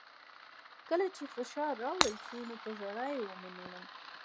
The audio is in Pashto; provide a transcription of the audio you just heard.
کله چې فشار راوړل شو نو په ژړا یې ومنله